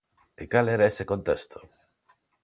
E cal era ese contexto?